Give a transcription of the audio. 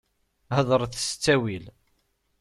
Heḍṛet s ttawil!